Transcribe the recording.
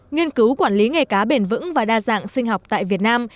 nghiên cứu quản lý nghề cá bền vững và đa dạng sinh học tại việt nam